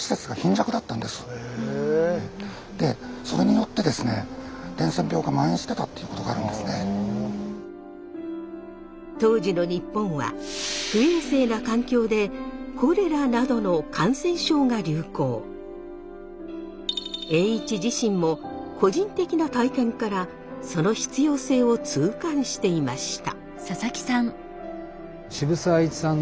当時ですね当時の日本は栄一自身も個人的な体験からその必要性を痛感していました。